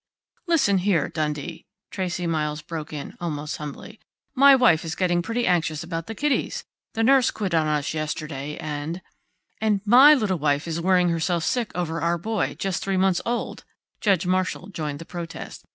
"Listen here, Dundee," Tracey Miles broke in, almost humbly. "My wife is getting pretty anxious about the kiddies. The nurse quit on us yesterday, and " "And my little wife is worrying herself sick over our boy just three months old," Judge Marshall joined the protest.